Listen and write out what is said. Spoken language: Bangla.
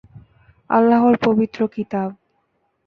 আল্লাহর পবিত্র কিতাব।